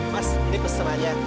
mas ini pesemanya